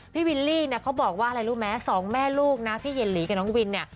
พี่วินลี่เขาบอกว่าอะไรรู้ไหมสองแม่ลูกนะพี่เย็นหลีกับน้องวิน